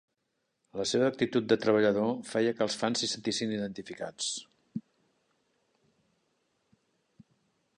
La seva actitud de treballador feia que els fans s'hi sentissin identificats.